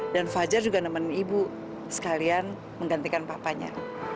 dan fajar juga nemenin ibu sekalian menggantikan papanya